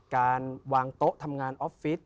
การวางโต๊ะทำงานออฟฟิศ